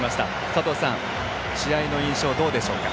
佐藤さん、試合の印象どうでしょうか？